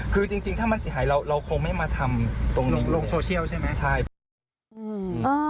คือจริงถ้ามันเสียหายเราเราคงไม่มาทำตรงโลกโซเชียลใช่ไหมใช่